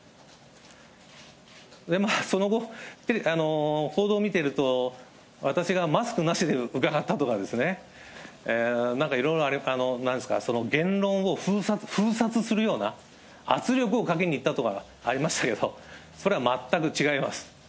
その後、報道を見ていると、私がマスクなしで伺ったとかですね、なんかいろいろ、なんですか、言論を封殺するような圧力をかけにいったとかありましたけど、それは全く違います。